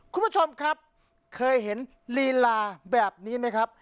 คุณผู้ชมครับเคยเห็นลีลาแบบนี้ไหมครับ